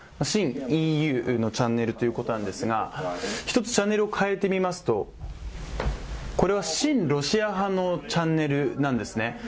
親ＥＵのチャンネルということなんですが、１つチャンネルを変えてみますと、これは新ロシア派のチャンネルなんですね。